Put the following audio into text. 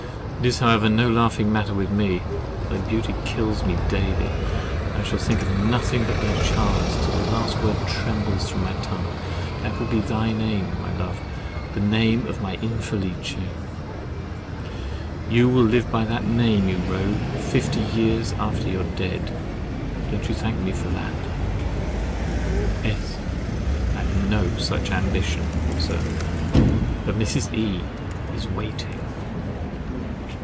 It is however no laughing matter with me; thy beauty kills me daily, and I shall think of nothing but thy charms, till the last word trembles on my tongue, and that will be thy name, my love—the name of my Infelice! You will live by that name, you rogue, fifty years after you are dead. Don't you thank me for that? S. I have no such ambition, Sir. But Mrs. E—— is waiting.